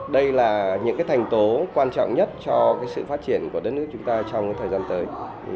đây là những thành tố quan trọng nhất cho sự phát triển của đất nước chúng ta trong thời gian tới